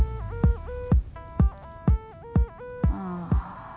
ああ。